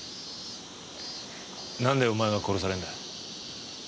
なんでお前が殺されんだ？